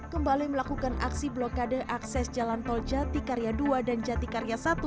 kembali melakukan aksi blokade akses jalan tol jatikarya dua dan jatikarya satu